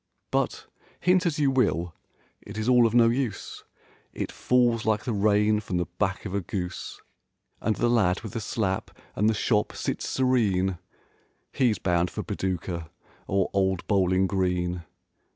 But hint as you will, it is all of no use; It falls like the rain from the back of a goose. And the lad with the slap and the shop sits serene: He's bound for Paducah or old Bowling Green.